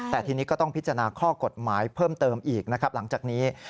แต่ทีนี้ก็ต้องพิจารณาข้อกฎหมายเพิ่มเติมอีกนะครับหลังจากนี้